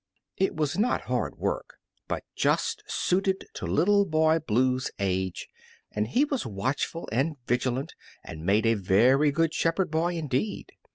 It was not hard work, but just suited to Little Boy Blue's age, and he was watchful and vigilant and made a very good shepherd boy indeed.